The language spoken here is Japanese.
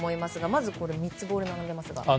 まず３つボール並んでいますが。